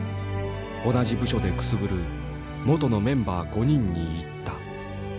同じ部署でくすぶる元のメンバー５人に言った。